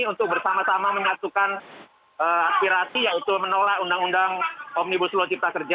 untuk bersama sama menyatukan aspirasi yaitu menolak undang undang omnibus law cipta kerja